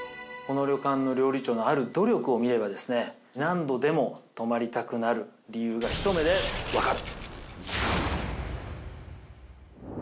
この旅館の料理長のある努力を見れば、何度でも泊まりたくなる理由がひと目でわかる。